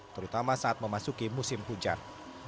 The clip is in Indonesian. terutama saat memasuki musim hujan